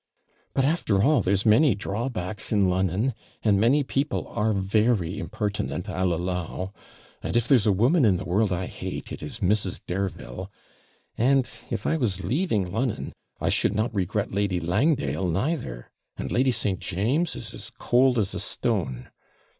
But, after all, there's many drawbacks in Lon'on and many people are very impertinent, I'll allow and if there's a woman in the world I hate, it is Mrs. Dareville and, if I was leaving Lon'on, I should not regret Lady Langdale neither and Lady St. James is as cold as a stone.